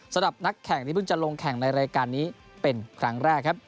สำหรับนักแข่งที่เพิ่งจะลงแข่งในรายการนี้เป็นครั้งแรกครับ